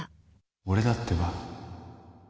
俺だってば